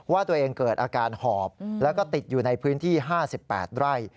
ว่าตัวเองเกิดอาการหอบแล้วก็ติดอยู่ในพื้นที่๕๘ไร่